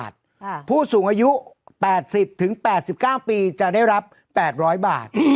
๘๐ถึง๘๙ปีจะได้รับ๘๐๐บาท